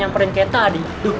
ya bud engga setelahister